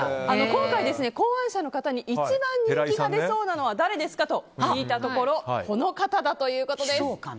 今回、考案者の方に一番人気が出そうなのは誰ですかと聞いたところこの方だということです。